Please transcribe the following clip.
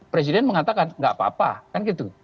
presiden mengatakan nggak apa apa kan gitu